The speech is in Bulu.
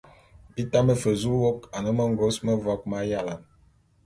Bi tame fe zu wôk ane mengôs mevok m'ayalane.